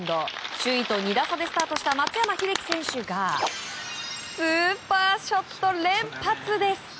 首位と２打差でスタートした松山英樹がスーパーショット連発です！